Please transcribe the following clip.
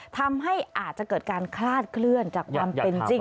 ทำให้อาจจะเกิดการคลาดเคลื่อนจากความเป็นจริง